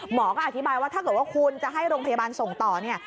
หมอก็อธิบายว่าถ้าเกิดว่าคุณจะให้โรงพยาบาลส่งต่อเนี่ย